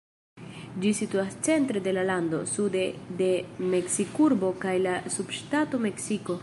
Ĝi situas centre de la lando, sude de Meksikurbo kaj la subŝtato Meksiko.